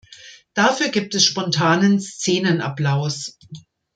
Dafür gibt es spontanen Szenenapplaus.